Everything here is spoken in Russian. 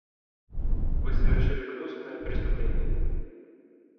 Вы совершили гнусное преступление.